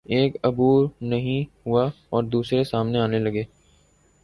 ایک عبور نہیں ہوا اور دوسرے سامنے آنے لگے۔